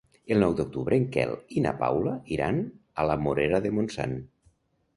El nou d'octubre en Quel i na Paula iran a la Morera de Montsant.